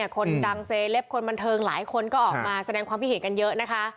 คนดังเซเลปคนบันเทิงหลายคนก็ออกมาแสดงความคิดเห็นกันเยอะนะคะ